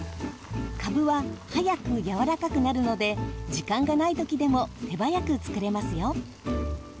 かぶは早くやわらかくなるので時間がないときでも手早く作れますよ。